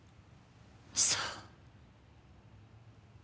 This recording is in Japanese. そう。